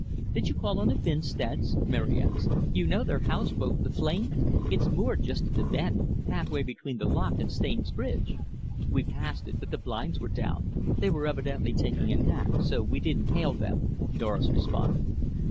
"Did you call on the Binsteads?" Mary asked. "You know their house boat, the Flame? It's moored just at the bend, half way between the Lock and Staines Bridge." "We passed it, but the blinds were down. They were evidently taking a nap. So we didn't hail them," Doris responded.